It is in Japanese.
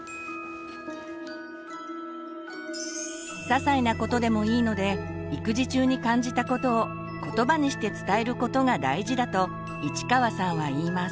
ささいなことでもいいので育児中に感じたことをことばにして伝えることが大事だと市川さんは言います。